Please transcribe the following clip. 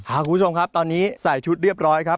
คุณผู้ชมครับตอนนี้ใส่ชุดเรียบร้อยครับ